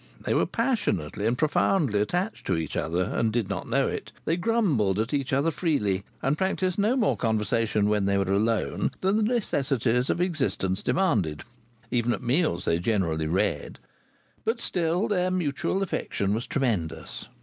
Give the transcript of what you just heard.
They were passionately and profoundly attached to each other and did not know it. They grumbled at each other freely, and practised no more conversation, when they were alone, than the necessities of existence demanded (even at meals they generally read), but still their mutual affection was tremendous.